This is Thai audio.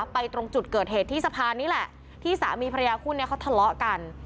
ตรงจุดเกิดเหตุที่สะพานนี้แหละที่สามีภรรยาคู่นี้เขาทะเลาะกัน